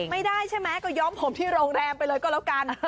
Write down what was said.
ไม่ได้ใช่ไหมก็ย้อมผมที่โรงแรมไปเลยก็แล้วกัน